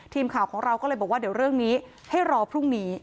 ทีมข่าวของเราก็เลยบอกว่าเดี๋ยวเรื่องนี้ให้รอพรุ่งนี้